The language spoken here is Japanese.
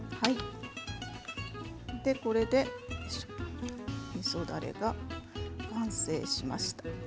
これで、みそだれが完成しました。